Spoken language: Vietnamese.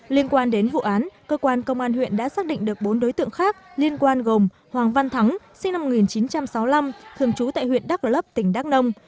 liên quan đến vụ án cơ quan công an huyện đã xác định được bốn đối tượng khác liên quan gồm hoàng văn thắng sinh năm một nghìn chín trăm sáu mươi năm thường trú tại huyện đắk rấp tỉnh đắk nông